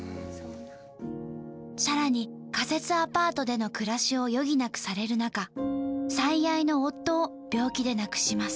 さらに仮設アパートでの暮らしを余儀なくされる中最愛の夫を病気で亡くします。